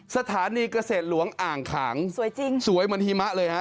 สถานีเกษตรหลวงอ่างขางสวยจริงสวยเหมือนหิมะเลยฮะ